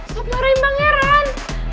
stop lari pangeran